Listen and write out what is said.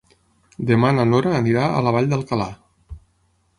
Demà na Nora anirà a la Vall d'Alcalà.